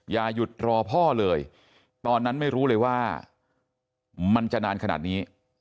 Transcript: อย่าหยุดรอพ่อเลยตอนนั้นไม่รู้เลยว่ามันจะนานขนาดนี้